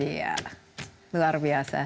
iya luar biasa